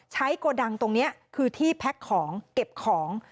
โกดังตรงนี้คือที่แพ็คของเก็บของ